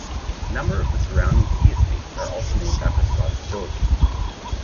A number of the surrounding tea estates are also named after Scottish villages.